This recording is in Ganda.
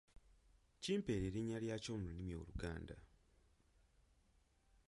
Kimpeere erinnya lyakyo mu lulimi Oluganda.